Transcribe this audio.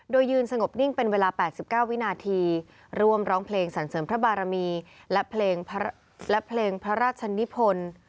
โดยยืนสงบนิ่งเป็นเวลา๘๙วินาทีร่วมร้องเพลงสรรเสริมพระบารมีและเพลงพระราชนิพล